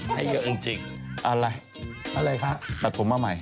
ให้เยอะจริงอะไรอะไรคะตัดผมมาใหม่